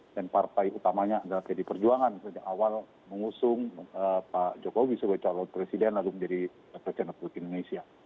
dan partai utamanya adalah pdi perjuangan sejak awal mengusung pak jokowi sebagai calon presiden lalu menjadi presiden republik indonesia